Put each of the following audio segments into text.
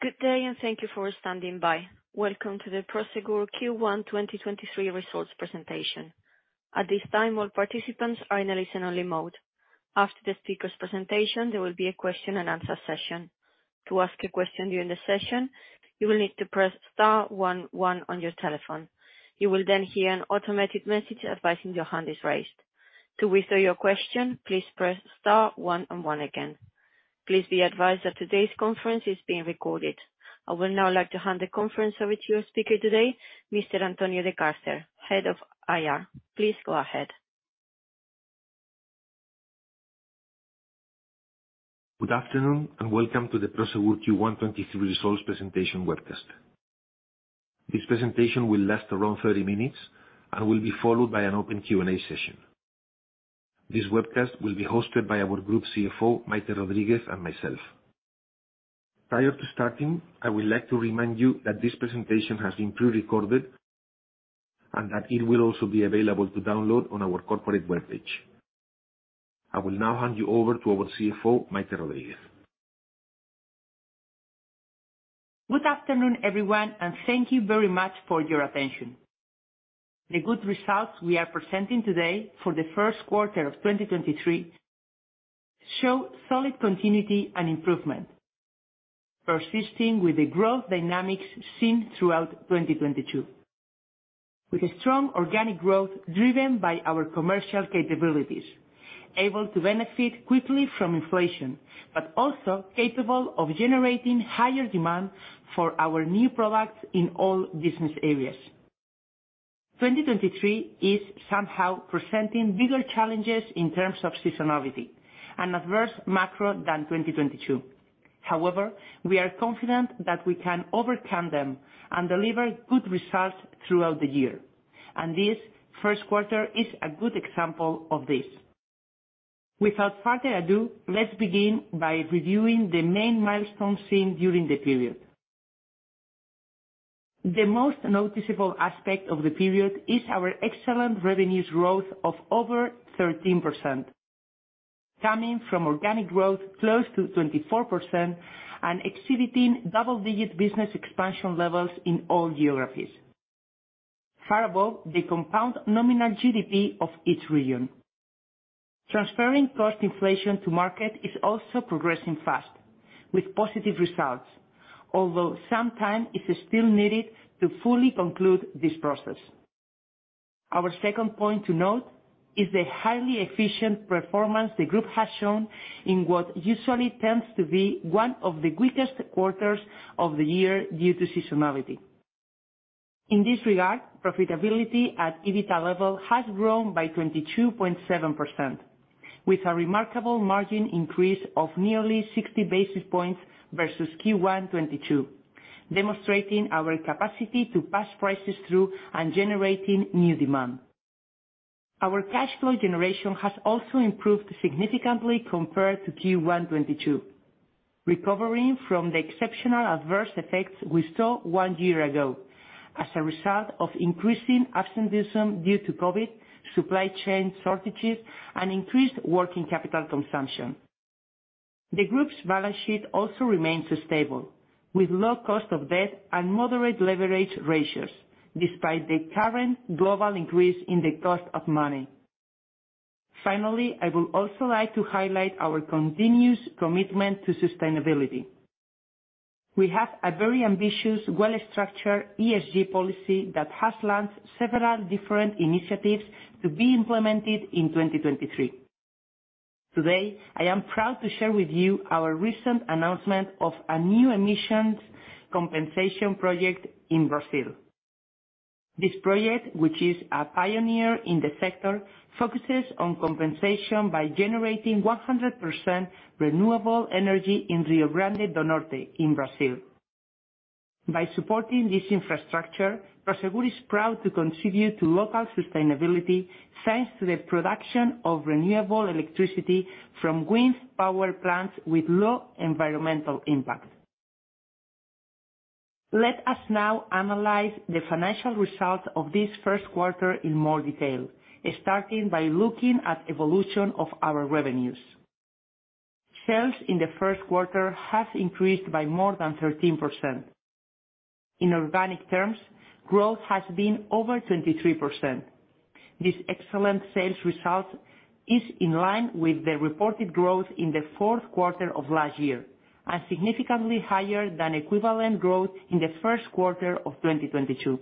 Good day, and thank you for standing by. Welcome to the Prosegur Q1 2023 results presentation. At this time, all participants are in a listen only mode. After the speakers presentation, there will be a question and answer session. To ask a question during the session, you will need to press star one one on your telephone. You will then hear an automated message advising your hand is raised. To withdraw your question, please press star one and one again. Please be advised that today's conference is being recorded. I will now like to hand the conference over to your speaker today, Mr. Antonio de Castro, Head of IR. Please go ahead. Good afternoon, and welcome to the Prosegur Q123 results presentation webcast. This presentation will last around 30 minutes and will be followed by an open Q&A session. This webcast will be hosted by our Group CFO, Maite Rodríguez, and myself. Prior to starting, I would like to remind you that this presentation has been pre-recorded and that it will also be available to download on our corporate webpage. I will now hand you over to our CFO, Maite Rodríguez. Good afternoon, everyone, and thank you very much for your attention. The good results we are presenting today for the first quarter of 2023 show solid continuity and improvement, persisting with the growth dynamics seen throughout 2022. With a strong organic growth driven by our commercial capabilities, able to benefit quickly from inflation, but also capable of generating higher demand for our new products in all business areas. 2023 is somehow presenting bigger challenges in terms of seasonality and adverse macro than 2022. However, we are confident that we can overcome them and deliver good results throughout the year. This first quarter is a good example of this. Without further ado, let's begin by reviewing the main milestones seen during the period. The most noticeable aspect of the period is our excellent revenues growth of over 13%, coming from organic growth close to 24% and exhibiting double-digit business expansion levels in all geographies, far above the compound nominal GDP of each region. Transferring cost inflation to market is also progressing fast with positive results. Some time is still needed to fully conclude this process. Our second point to note is the highly efficient performance the group has shown in what usually tends to be one of the weakest quarters of the year due to seasonality. In this regard, profitability at EBITDA level has grown by 22.7%, with a remarkable margin increase of nearly 60 basis points versus Q1 2022, demonstrating our capacity to pass prices through and generating new demand. Our cash flow generation has also improved significantly compared to Q1 2022, recovering from the exceptional adverse effects we saw one year ago as a result of increasing absenteeism due to COVID, supply chain shortages, and increased working capital consumption. The group's balance sheet also remains stable, with low cost of debt and moderate leverage ratios despite the current global increase in the cost of money. Finally, I would also like to highlight our continuous commitment to sustainability. We have a very ambitious, well-structured ESG policy that has launched several different initiatives to be implemented in 2023. Today, I am proud to share with you our recent announcement of a new emissions compensation project in Brazil. This project, which is a pioneer in the sector, focuses on compensation by generating 100% renewable energy in Rio Grande do Norte in Brazil. By supporting this infrastructure, Prosegur is proud to contribute to local sustainability thanks to the production of renewable electricity from wind power plants with low environmental impact. Let us now analyze the financial results of this first quarter in more detail, starting by looking at evolution of our revenues. Sales in the first quarter has increased by more than 13%. In organic terms, growth has been over 23%. This excellent sales result is in line with the reported growth in the fourth quarter of last year and significantly higher than equivalent growth in the first quarter of 2022.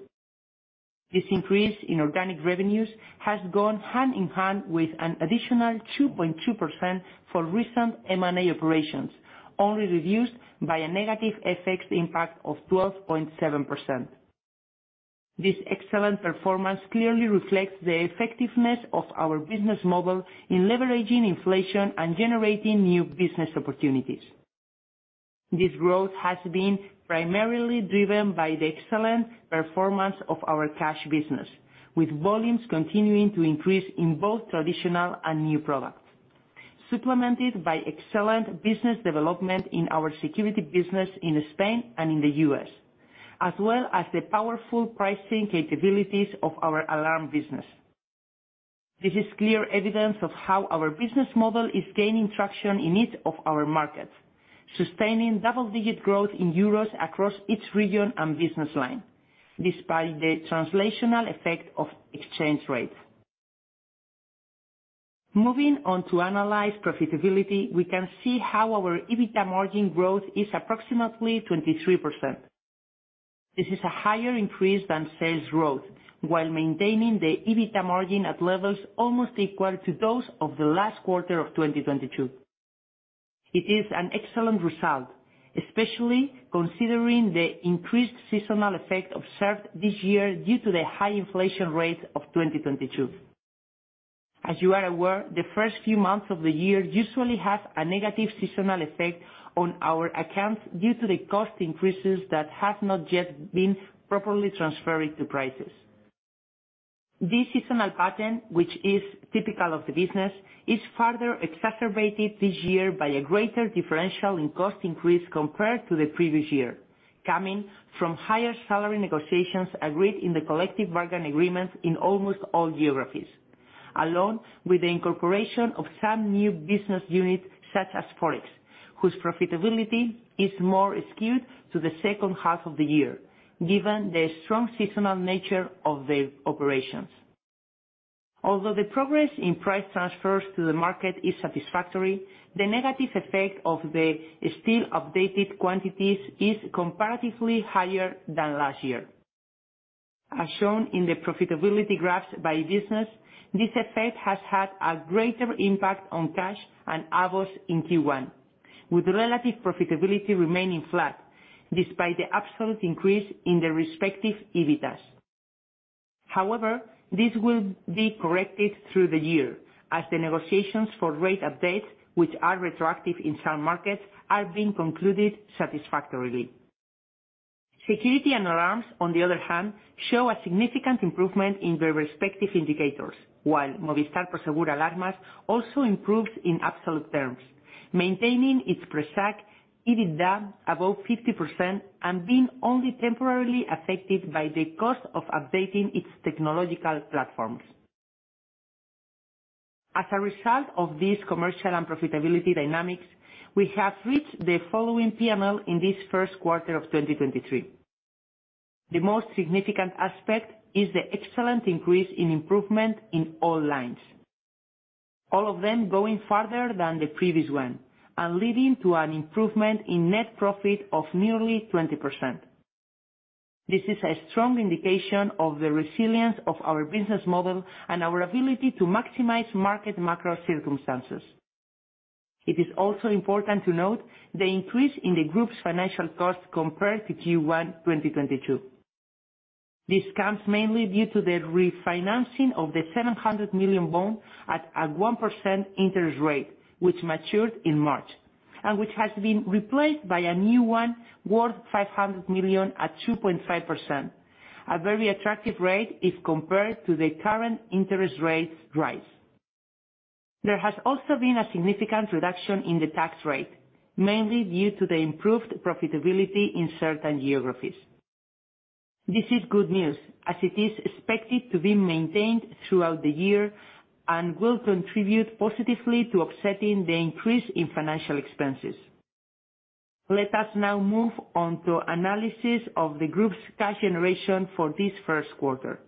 This increase in organic revenues has gone hand in hand with an additional 2.2% for recent M&A operations, only reduced by a negative FX impact of 12.7%. This excellent performance clearly reflects the effectiveness of our business model in leveraging inflation and generating new business opportunities. This growth has been primarily driven by the excellent performance of our cash business, with volumes continuing to increase in both traditional and new products, supplemented by excellent business development in our security business in Spain and in the U.S., as well as the powerful pricing capabilities of our alarm business. This is clear evidence of how our business model is gaining traction in each of our markets, sustaining double-digit growth in euros across each region and business line, despite the translational effect of exchange rates. Moving on to analyze profitability, we can see how our EBITDA margin growth is approximately 23%. This is a higher increase than sales growth while maintaining the EBITDA margin at levels almost equal to those of the last quarter of 2022. It is an excellent result, especially considering the increased seasonal effect observed this year due to the high inflation rate of 2022. As you are aware, the first few months of the year usually have a negative seasonal effect on our accounts due to the cost increases that have not yet been properly transferred to prices. This seasonal pattern, which is typical of the business, is further exacerbated this year by a greater differential in cost increase compared to the previous year, coming from higher salary negotiations agreed in the collective bargaining agreements in almost all geographies, along with the incorporation of some new business units such as Forex, whose profitability is more skewed to the second half of the year, given the strong seasonal nature of the operations. The progress in price transfers to the market is satisfactory, the negative effect of the still updated quantities is comparatively higher than last year. As shown in the profitability graphs by business, this effect has had a greater impact on Cash and AVOS in Q1, with relative profitability remaining flat despite the absolute increase in the respective EBITDAs. This will be corrected through the year as the negotiations for rate updates, which are retroactive in some markets, are being concluded satisfactorily. Security and alarms, on the other hand, show a significant improvement in their respective indicators, while Movistar Prosegur Alarmas also improves in absolute terms, maintaining its pre-SAC EBITDA above 50% and being only temporarily affected by the cost of updating its technological platforms. As a result of these commercial and profitability dynamics, we have reached the following P&L in this first quarter of 2023. The most significant aspect is the excellent increase in improvement in all lines, all of them going farther than the previous one and leading to an improvement in net profit of nearly 20%. This is a strong indication of the resilience of our business model and our ability to maximize market macro circumstances. It is also important to note the increase in the group's financial costs compared to Q1 2022. This comes mainly due to the refinancing of the 700 million bond at a 1% interest rate, which matured in March, and which has been replaced by a new one worth 500 million at 2.5%, a very attractive rate if compared to the current interest rates rise. There has also been a significant reduction in the tax rate, mainly due to the improved profitability in certain geographies. This is good news, as it is expected to be maintained throughout the year and will contribute positively to offsetting the increase in financial expenses. Let us now move on to analysis of the group's cash generation for this first quarter.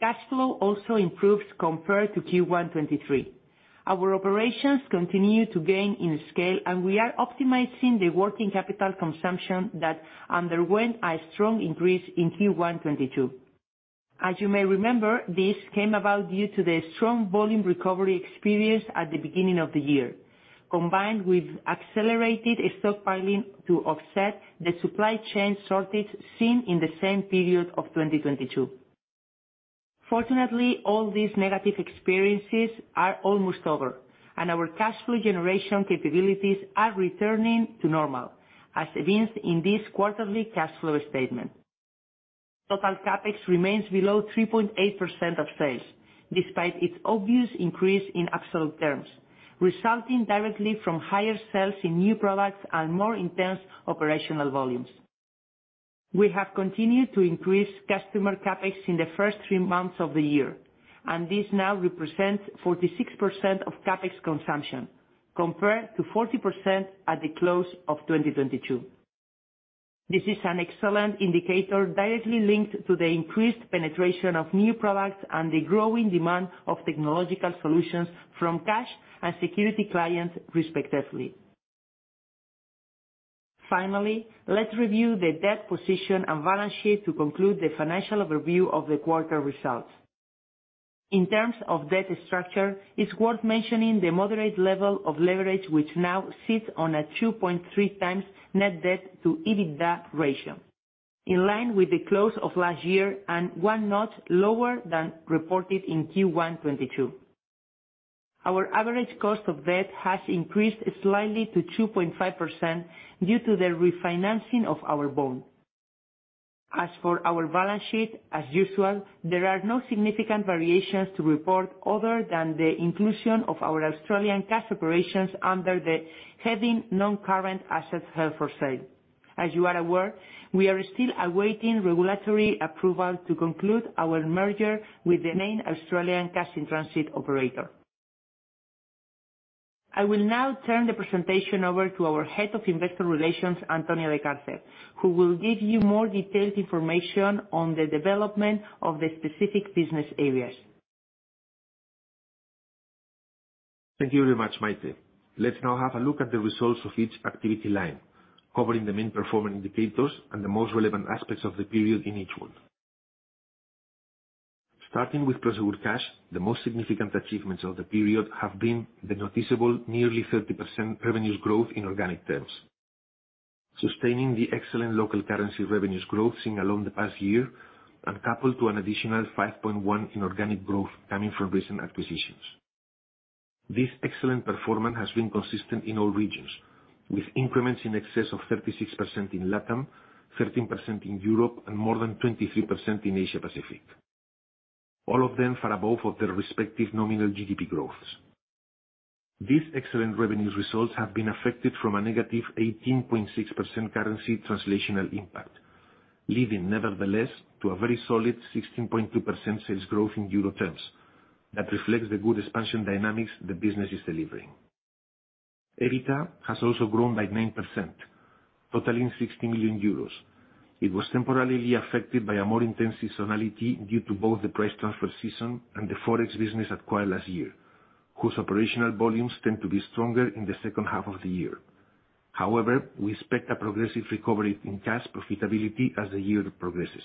Cash flow also improves compared to Q1 2023. Our operations continue to gain in scale, and we are optimizing the working capital consumption that underwent a strong increase in Q1 2022. As you may remember, this came about due to the strong volume recovery experience at the beginning of the year, combined with accelerated stockpiling to offset the supply chain shortage seen in the same period of 2022. Fortunately, all these negative experiences are almost over, and our cash flow generation capabilities are returning to normal, as evinced in this quarterly cash flow statement. Total CapEx remains below 3.8% of sales, despite its obvious increase in absolute terms, resulting directly from higher sales in new products and more intense operational volumes. We have continued to increase customer CapEx in the first three months of the year, and this now represents 46% of CapEx consumption, compared to 40% at the close of 2022. This is an excellent indicator directly linked to the increased penetration of new products and the growing demand of technological solutions from cash and security clients, respectively. Finally, let's review the debt position and balance sheet to conclude the financial overview of the quarter results. In terms of debt structure, it's worth mentioning the moderate level of leverage, which now sits on a 2.3xs Net Debt to EBITDA ratio, in line with the close of last year and one notch lower than reported in Q1 2022. Our average cost of debt has increased slightly to 2.5% due to the refinancing of our bond. Our balance sheet, as usual, there are no significant variations to report other than the inclusion of our Australian cash operations under the heading non-current assets held for sale. We are still awaiting regulatory approval to conclude our merger with the main Australian cash-in-transit operator. I will now turn the presentation over to our Head of Investor Relations, Antonio de Castro, who will give you more detailed information on the development of the specific business areas. Thank you very much, Maite. Let's now have a look at the results of each activity line, covering the main performance indicators and the most relevant aspects of the period in each one. Starting with Prosegur Cash, the most significant achievements of the period have been the noticeable nearly 30% revenues growth in organic terms, sustaining the excellent local currency revenues growth seen along the past year and coupled to an additional 5.1% in organic growth coming from recent acquisitions. This excellent performance has been consistent in all regions, with increments in excess of 36% in LATAM, 13% in Europe, and more than 23% in Asia-Pacific. All of them far above of their respective nominal GDP growths. These excellent revenues results have been affected from a negative 18.6% currency translational impact, leading nevertheless to a very solid 16.2% sales growth in euro terms. That reflects the good expansion dynamics the business is delivering. EBITDA has also grown by 9%, totaling 60 million euros. It was temporarily affected by a more intense seasonality due to both the price transfer season and the Forex business acquired last year, whose operational volumes tend to be stronger in the second half of the year. However, we expect a progressive recovery in cash profitability as the year progresses.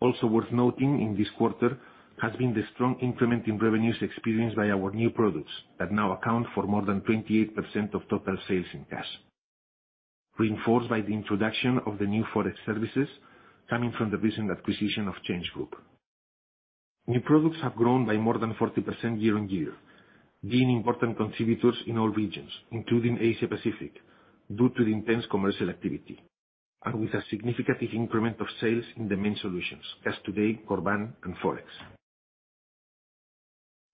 Also worth noting in this quarter has been the strong increment in revenues experienced by our new products, that now account for more than 28% of total sales in cash, reinforced by the introduction of the new Forex services coming from the recent acquisition of ChangeGroup. New products have grown by more than 40% year-on-year, being important contributors in all regions, including Asia-Pacific, due to the intense commercial activity, and with a significant increment of sales in the main solutions, Cash Today, Corban, and Forex.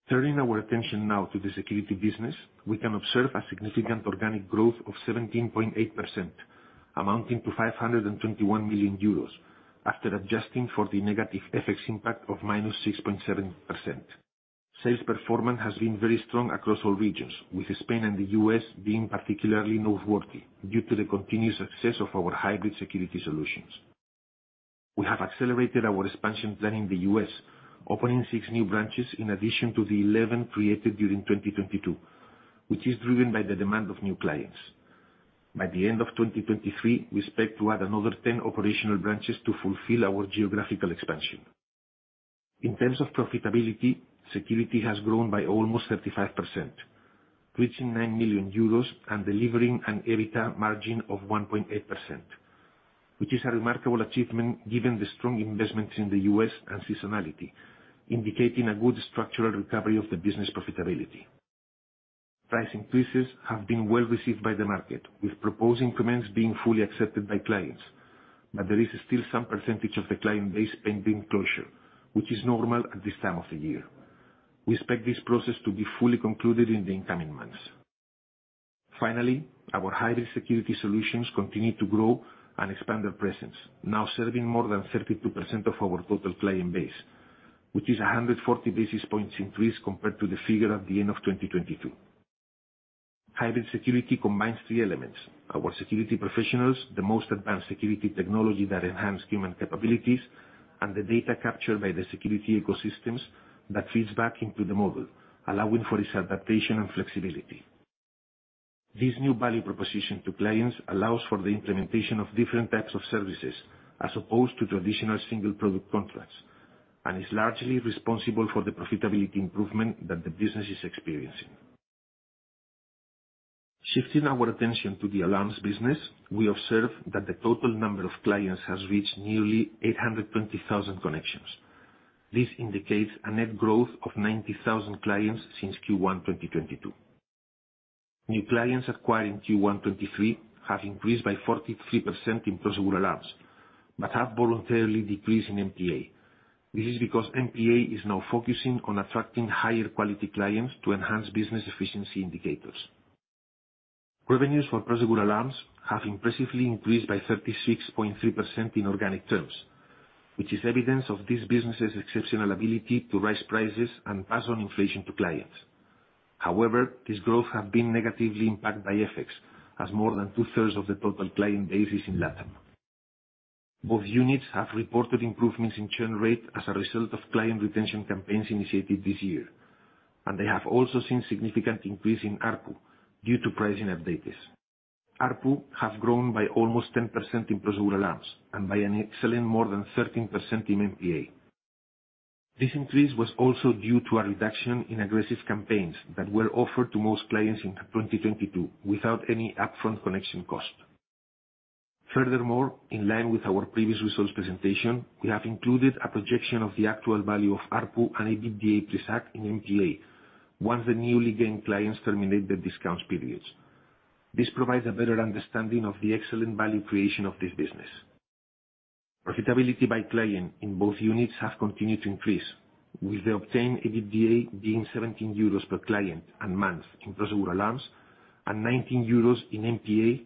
Turning our attention now to the security business, we can observe a significant organic growth of 17.8%, amounting to 521 million euros, after adjusting for the negative FX impact of -6.7%. Sales performance has been very strong across all regions, with Spain and the U.S. being particularly noteworthy due to the continued success of our hybrid security. We have accelerated our expansion plan in the U.S., opening six new branches in addition to the 11 created during 2022, which is driven by the demand of new clients. By the end of 2023, we expect to add another 10 operational branches to fulfill our geographical expansion. In terms of profitability, security has grown by almost 35%, reaching 9 million euros, and delivering an EBITDA margin of 1.8%, which is a remarkable achievement given the strong investments in the U.S. and seasonality, indicating a good structural recovery of the business profitability. Price increases have been well-received by the market, with proposed increments being fully accepted by clients. There is still some percentage of the client base pending closure, which is normal at this time of the year. We expect this process to be fully concluded in the incoming months. Finally, our hybrid security solutions continue to grow and expand their presence, now serving more than 32% of our total client base, which is a 140 basis points increase compared to the figure at the end of 2022. Hybrid security combines three elements: our security professionals, the most advanced security technology that enhance human capabilities, and the data captured by the security ecosystems that feeds back into the model, allowing for its adaptation and flexibility. This new value proposition to clients allows for the implementation of different types of services, as opposed to traditional single product contracts, and is largely responsible for the profitability improvement that the business is experiencing. Shifting our attention to the alarms business, we observe that the total number of clients has reached nearly 820,000 connections. This indicates a net growth of 90,000 clients since Q1 2022. New clients acquired in Q1 2023 have increased by 43% in Prosegur Alarms, but have voluntarily decreased in MPA. This is because MPA is now focusing on attracting higher quality clients to enhance business efficiency indicators. Revenues for Prosegur Alarms have impressively increased by 36.3% in organic terms, which is evidence of this business's exceptional ability to raise prices and pass on inflation to clients. However, this growth has been negatively impacted by FX, as more than two-thirds of the total client base is in LATAM. Both units have reported improvements in churn rate as a result of client retention campaigns initiated this year. They have also seen significant increase in ARPU due to pricing updates. ARPU has grown by almost 10% in Prosegur Alarms and by an excellent more than 13% in MPA. This increase was also due to a reduction in aggressive campaigns that were offered to most clients in 2022 without any upfront connection cost. In line with our previous results presentation, we have included a projection of the actual value of ARPU and EBITDA pre-SAC in MPA once the newly gained clients terminate the discount periods. This provides a better understanding of the excellent value creation of this business. Profitability by client in both units have continued to increase, with the obtained EBITDA being 17 euros per client and month in Prosegur Alarms and 19 euros in MPA,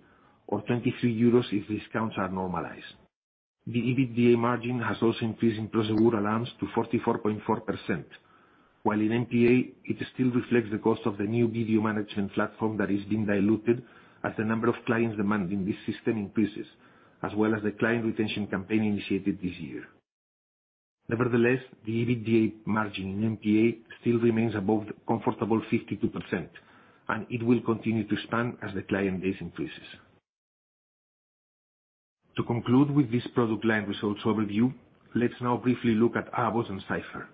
or 23 euros if discounts are normalized. The EBITDA margin has also increased in Prosegur Alarms to 44.4%, while in MPA, it still reflects the cost of the new video management platform that is being diluted as the number of clients demanding this system increases, as well as the client retention campaign initiated this year. Nevertheless, the EBITDA margin in MPA still remains above the comfortable 52%, and it will continue to span as the client base increases. To conclude with this product line results overview, let's now briefly look at AVOS and Cipher.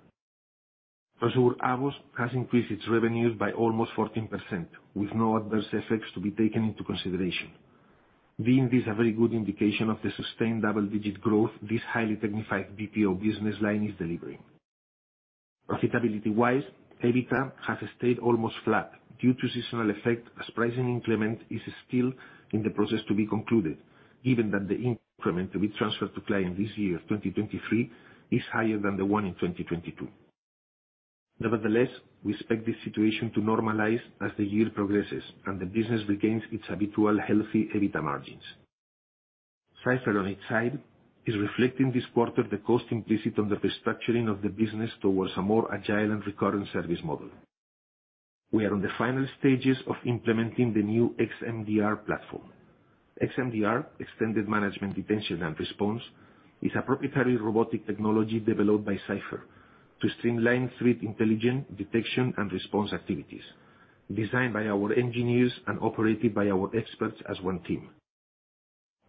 Prosegur AVOS has increased its revenues by almost 14%, with no adverse effects to be taken into consideration, being this a very good indication of the sustained double-digit growth this highly technified BPO business line is delivering. Profitability-wise, EBITDA has stayed almost flat due to seasonal effect as pricing implement is still in the process to be concluded, given that the increment to be transferred to client this year, 2023, is higher than the one in 2022. Nevertheless, we expect this situation to normalize as the year progresses and the business regains its habitual healthy EBITDA margins. Cipher, on its side, is reflecting this quarter the cost implicit on the restructuring of the business towards a more agile and recurring service model. We are on the final stages of implementing the new xMDR platform. xMDR, Extended Managed Detection and Response, is a proprietary robotic technology developed by Cipher to streamline threat intelligence, detection, and response activities, designed by our engineers and operated by our experts as one team.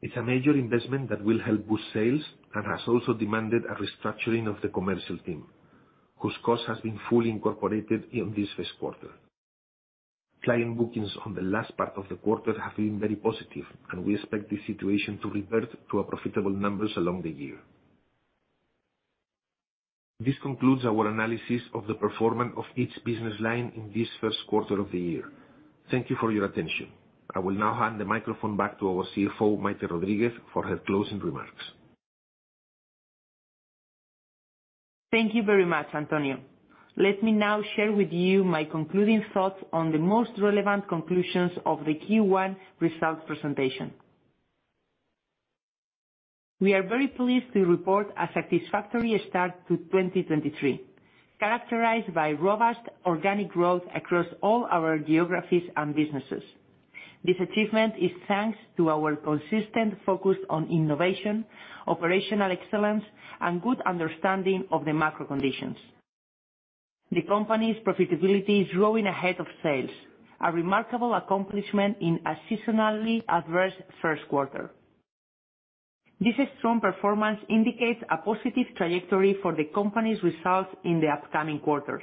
It's a major investment that will help boost sales and has also demanded a restructuring of the commercial team, whose cost has been fully incorporated in this first quarter. Client bookings on the last part of the quarter have been very positive, and we expect the situation to revert to profitable numbers along the year. This concludes our analysis of the performance of each business line in this first quarter of the year. Thank you for your attention. I will now hand the microphone back to our CFO, Maite Rodríguez, for her closing remarks. Thank you very much, Antonio. Let me now share with you my concluding thoughts on the most relevant conclusions of the Q1 results presentation. We are very pleased to report a satisfactory start to 2023, characterized by robust organic growth across all our geographies and businesses. This achievement is thanks to our consistent focus on innovation, operational excellence, and good understanding of the macro conditions. The company's profitability is growing ahead of sales, a remarkable accomplishment in a seasonally adverse first quarter. This strong performance indicates a positive trajectory for the company's results in the upcoming quarters,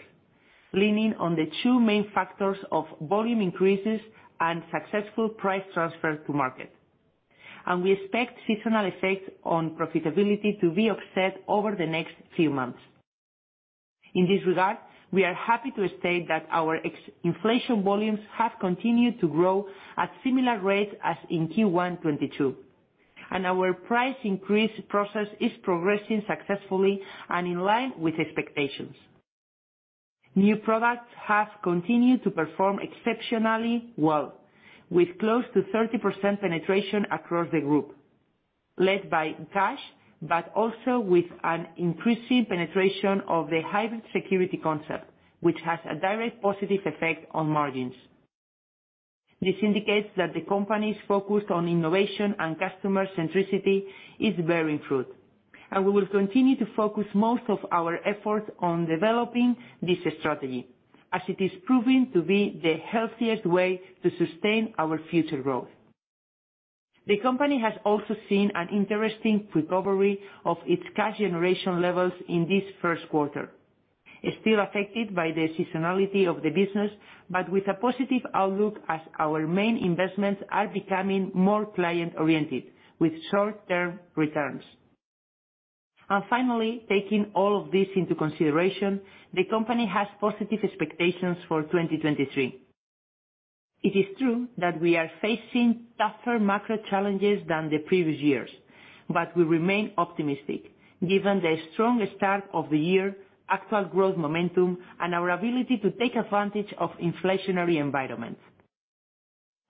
leaning on the two main factors of volume increases and successful price transfer to market. We expect seasonal effects on profitability to be offset over the next few months. In this regard, we are happy to state that our inflation volumes have continued to grow at similar rate as in Q1 2022. Our price increase process is progressing successfully and in line with expectations. New products have continued to perform exceptionally well with close to 30% penetration across the group, led by Cash, also with an increasing penetration of the hybrid security concept, which has a direct positive effect on margins. This indicates that the company's focus on innovation and customer centricity is bearing fruit. We will continue to focus most of our efforts on developing this strategy as it is proving to be the healthiest way to sustain our future growth. The company has also seen an interesting recovery of its cash generation levels in this first quarter. It's still affected by the seasonality of the business, but with a positive outlook as our main investments are becoming more client-oriented with short-term returns. Finally, taking all of this into consideration, the company has positive expectations for 2023. It is true that we are facing tougher macro challenges than the previous years, but we remain optimistic given the strong start of the year, actual growth momentum, and our ability to take advantage of inflationary environments.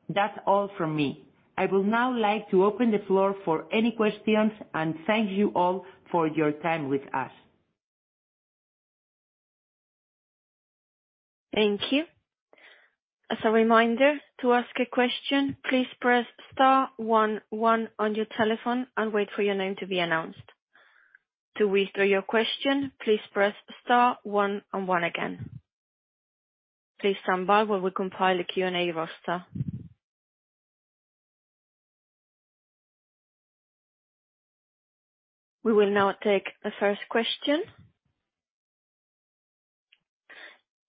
That's all from me. I would now like to open the floor for any questions, and thank you all for your time with us. Thank you. As a reminder, to ask a question, please press star 11 on your telephone and wait for your name to be announced. To withdraw your question, please press star 1 and 1 again. Please stand by while we compile a Q&A roster. We will now take the first question.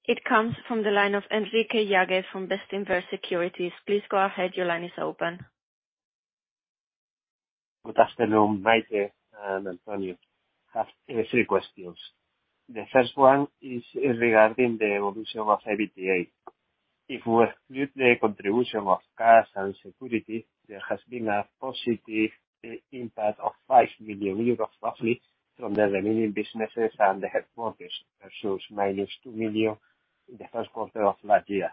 It comes from the line of Enrique Yagüez from Bestinver Securities. Please go ahead. Your line is open. Good afternoon, Maite and Antonio. I have three questions. The first one is regarding the evolution of EBITDA. If we exclude the contribution of Cash and Security, there has been a positive impact of 5 million euros roughly from the remaining businesses and the headquarters versus minus 2 million in the first quarter of last year.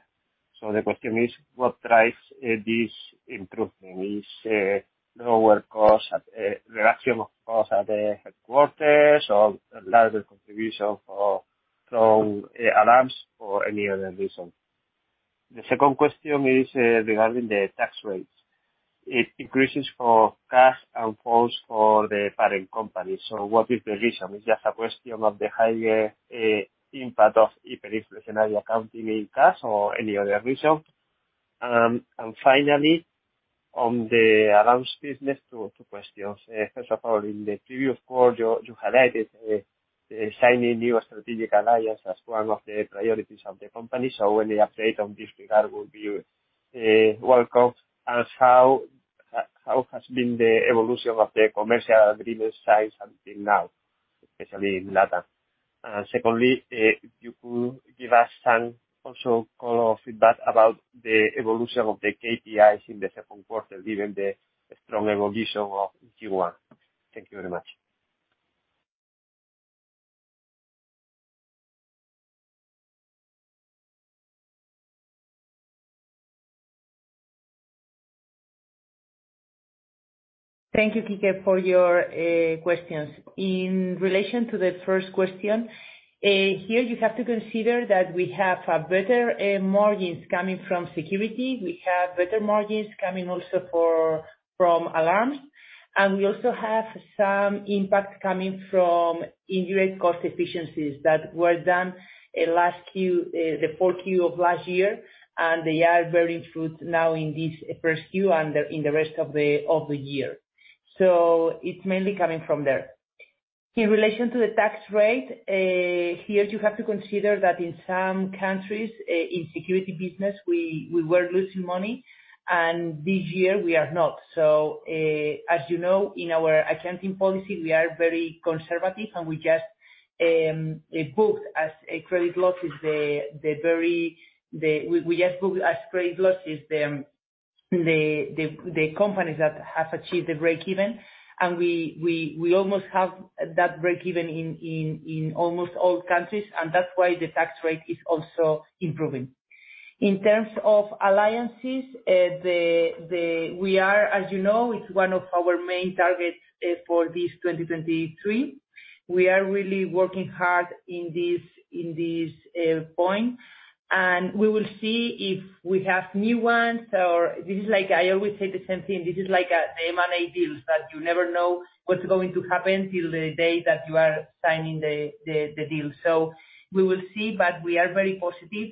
The question is, what drives this improvement? Is lower cost at reduction of costs at the headquarters or larger contribution from Alarms or any other reason? The second question is regarding the tax rates. It increases for Cash and falls for the parent company. What is the reason? It's just a question of the higher impact of hyperinflationary accounting in Cash or any other reason. Finally, on the Alarms business, two questions. First of all, in the previous quarter, you highlighted signing new strategic alliance as one of the priorities of the company. Any update on this regard would be welcome. How has been the evolution of the commercial agreement size until now, especially in LATAM? Secondly, if you could give us some also color feedback about the evolution of the KPIs in the second quarter, given the strong evolution of Q1. Thank you very much. Thank you, Enrique, for your questions. In relation to the first question, here you have to consider that we have a better margins coming from security. We have better margins coming also from alarms. We also have some impact coming from indirect cost efficiencies that were done last Q4 of last year, and they are bearing fruit now in this Q1 in the rest of the year. It's mainly coming from there. In relation to the tax rate, here you have to consider that in some countries, in security business, we were losing money, and this year we are not. As you know, in our accounting policy, we are very conservative, and we just booked as a credit losses the... We just booked as credit losses the companies that have achieved the breakeven. We almost have that breakeven in almost all countries, and that's why the tax rate is also improving. In terms of alliances, we are, as you know, it's one of our main targets for this 2023. We are really working hard in this point, and we will see if we have new ones or. This is like I always say the same thing. This is like the M&A deals, that you never know what's going to happen till the day that you are signing the deal. We will see, but we are very positive.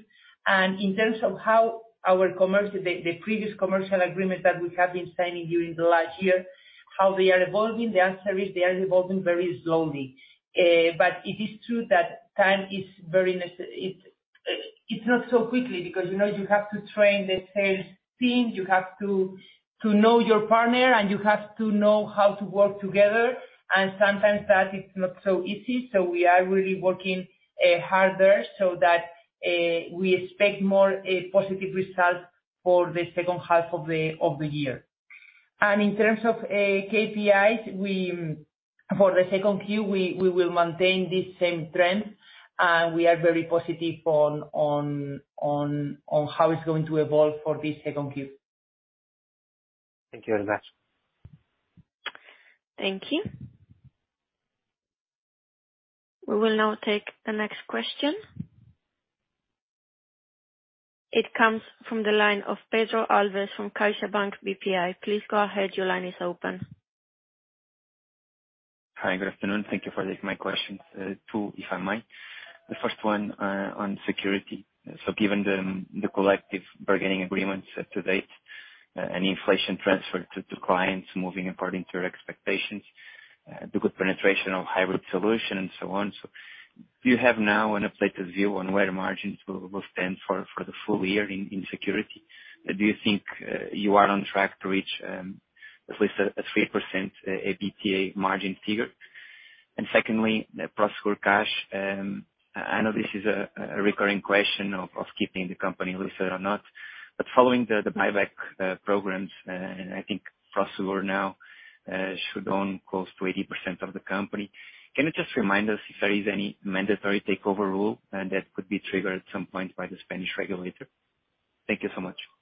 In terms of how our commercial, the previous commercial agreements that we have been signing during the last year, how they are evolving, the answer is they are evolving very slowly. It is true that time is very It's not so quickly because, you know, you have to train the sales team, you have to know your partner, and you have to know how to work together. Sometimes that is not so easy. We are really working harder so that we expect more positive results for the second half of the year. In terms of KPIs, we, for the Q2, we will maintain this same trend. We are very positive on how it's going to evolve for this Q2. Thank you very much. Thank you. We will now take the next question. It comes from the line of Pedro Alves from CaixaBank BPI. Please go ahead. Your line is open. Hi, good afternoon. Thank you for taking my questions. Two, if I may. The first one on security. Given the collective bargaining agreements to date, and inflation transfer to clients moving in part into your expectations, the good penetration of hybrid solution and so on. Do you have now an updated view on where margins will stand for the full year in security? Do you think you are on track to reach at least a 3% EBITDA margin figure? Secondly, Prosegur Cash. I know this is a recurring question of keeping the company listed or not, but following the buyback programs, I think Prosegur now should own close to 80% of the company. Can you just remind us if there is any mandatory takeover rule that could be triggered at some point by the Spanish regulator? Thank you so much. Thank you,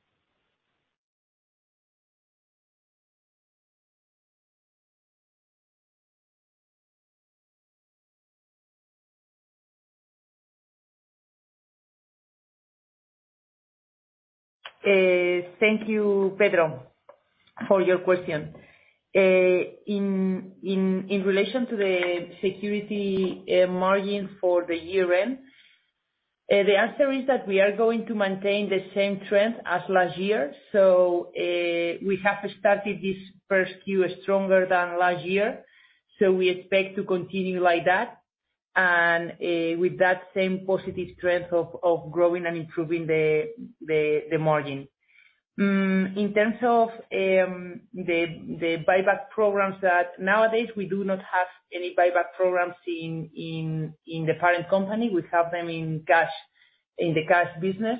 Pedro, for your question. In relation to the security margin for the year-end, the answer is that we are going to maintain the same trend as last year. We have started this Q1 stronger than last year, so we expect to continue like that, and with that same positive trend of growing and improving the margin. In terms of the buyback programs that nowadays we do not have any buyback programs in the parent company. We have them in the Prosegur Cash business.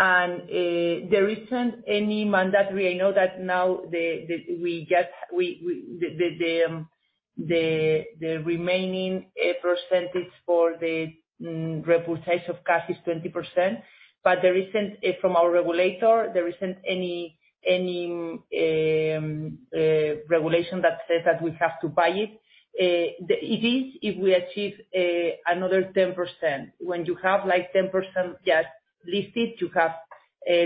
There isn't any mandatory. I know that now the remaining percentage for the reputation of Prosegur Cash is 20%. There isn't, from our regulator, there isn't any regulation that says that we have to buy it. It is if we achieve another 10%. When you have 10% listed,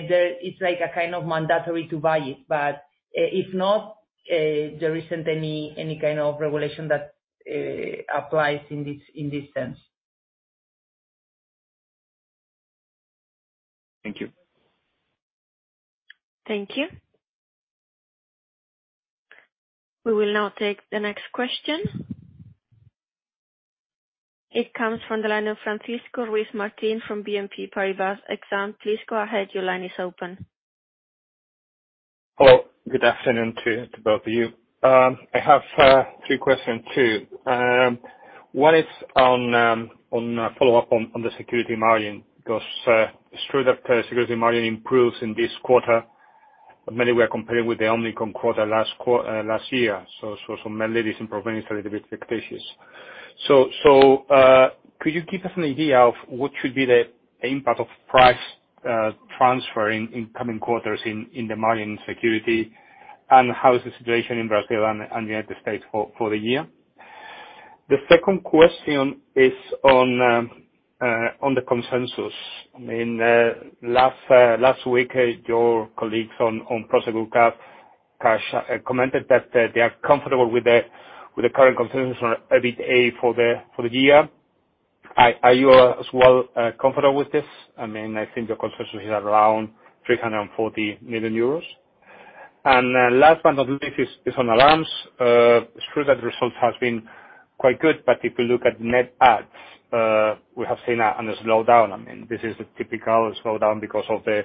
it's like a kind of mandatory to buy it. If not, there isn't any kind of regulation that applies in this sense. Thank you. Thank you. We will now take the next question. It comes from the line of Francisco Ruiz Martín from BNP Paribas Exane. Please go ahead. Your line is open. Hello. Good afternoon to both of you. I have three questions too. One is on a follow-up on the security margin, because it's true that security margin improves in this quarter, mainly we are comparing with the Omicron quarter last year. Mainly this improvement is a little bit fictitious. Could you give us an idea of what should be the impact of price transfer in coming quarters in the margin security? How is the situation in Brazil and United States for the year? The 2nd question is on the consensus. I mean, last week, your colleagues on Prosegur Cash commented that they are comfortable with the current consensus on EBITA for the year. Are you as well comfortable with this? I mean, I think your consensus is around 340 million euros. Last but not least is on alarms. It's true that the result has been quite good, but if you look at net adds, we have seen a slowdown. I mean, this is a typical slowdown because of the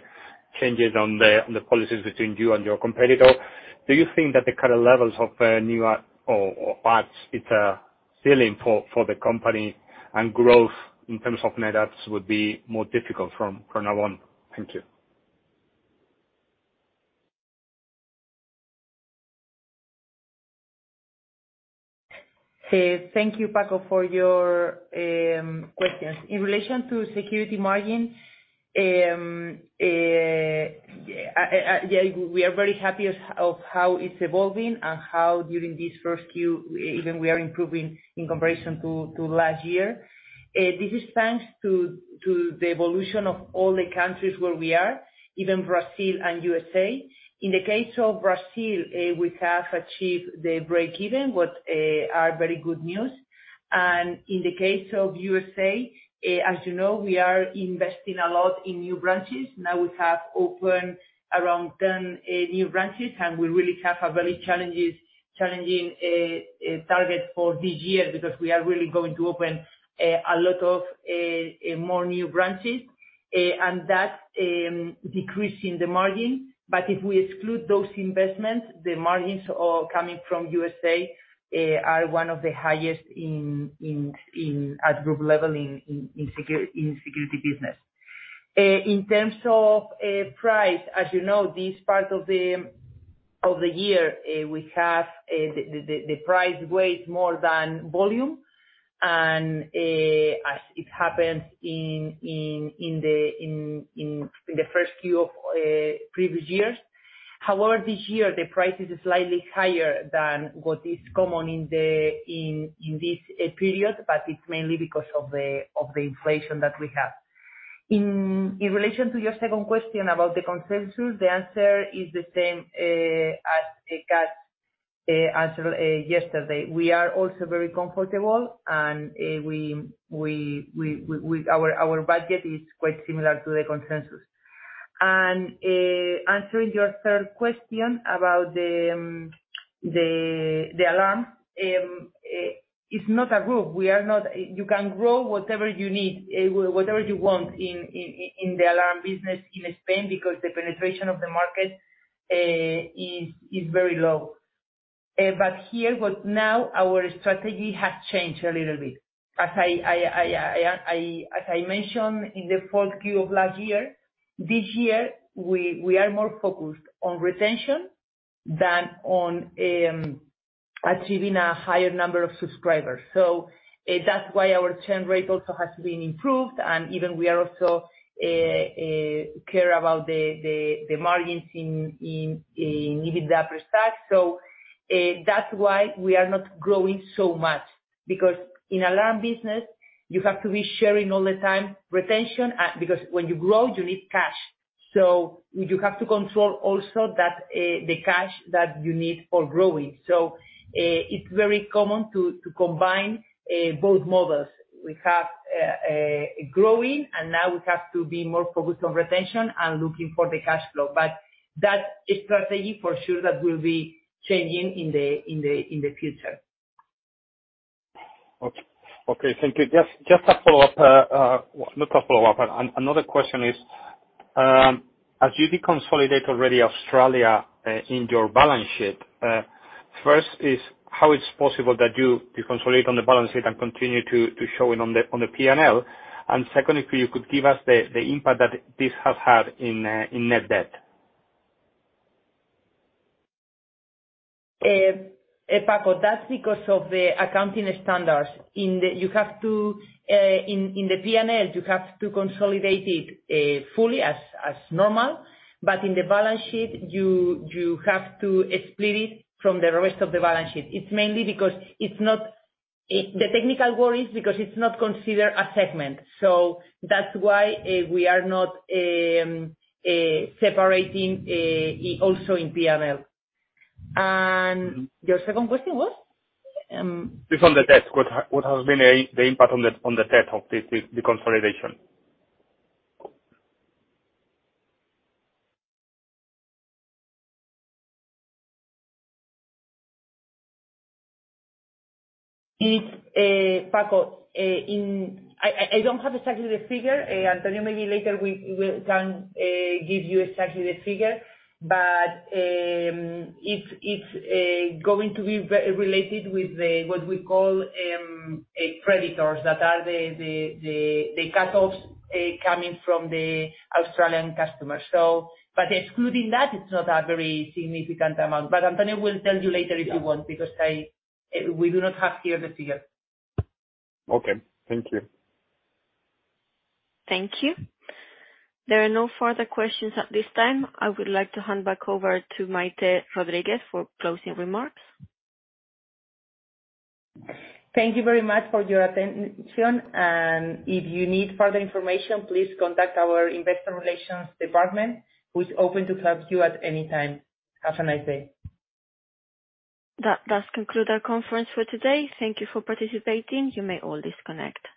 changes on the policies between you and your competitor. Do you think that the current levels of new adds it's a ceiling for the company, and growth in terms of net adds would be more difficult from now on? Thank you. Thank you, Paco, for your questions. In relation to security margin, we are very happy of how it's evolving and how during this first few even we are improving in comparison to last year. This is thanks to the evolution of all the countries where we are, even Brazil and U.S. In the case of Brazil, we have achieved the breakeven, what are very good news. In the case of U.S., as you know, we are investing a lot in new branches. Now we have opened around 10 new branches, we really have a very challenging target for this year because we are really going to open a lot of more new branches. That's decreasing the margin. If we exclude those investments, the margins coming from U.S. are one of the highest in, at group level in security business. In terms of price, as you know, this part of the year, we have the price weighs more than volume. As it happens in the first few of previous years. However, this year the price is slightly higher than what is common in this period, but it's mainly because of the inflation that we have. In relation to your second question about the consensus, the answer is the same, as Cash answered yesterday. We are also very comfortable and our budget is quite similar to the consensus. Answering your third question about the alarm it's not a group. You can grow whatever you need, whatever you want in the alarm business in Spain because the penetration of the market is very low. Now our strategy has changed a little bit. As I mentioned in the Q4 of last year, this year we are more focused on retention than on achieving a higher number of subscribers. That's why our churn rate also has been improved and even we are also care about the margins in EBITDA per stack. That's why we are not growing so much. In alarm business you have to be sharing all the time retention, because when you grow, you need cash. You have to control also that, the cash that you need for growing. It's very common to combine, both models. We have, growing, and now we have to be more focused on retention and looking for the cash flow. That strategy for sure that will be changing in the future. Okay. Okay. Thank you. Just a follow-up, not a follow-up. Another question is, as you deconsolidate already Australia in your balance sheet, first is how it's possible that you deconsolidate on the balance sheet and continue to show it on the P&L, secondly, if you could give us the impact that this has had in net debt? Paco, that's because of the accounting standards. You have to, in the P&L, you have to consolidate it fully as normal. In the balance sheet, you have to split it from the rest of the balance sheet. It's mainly because it's not. The technical word is because it's not considered a segment. That's why we are not separating it also in P&L. Your second question was. It's on the debt. What has been the impact on the debt of this deconsolidation? It's Paco, in... I don't have exactly the figure. Antonio, maybe later we can give you exactly the figure. It's going to be related with what we call creditors that are the cutoffs coming from the Australian customers. By excluding that, it's not a very significant amount. Antonio will tell you later if you want, because we do not have here the figure. Okay. Thank you. Thank you. There are no further questions at this time. I would like to hand back over to Maite Rodríguez for closing remarks. Thank you very much for your attention. If you need further information, please contact our Investor Relations department, who is open to help you at any time. Have a nice day. That does conclude our conference for today. Thank you for participating. You may all disconnect.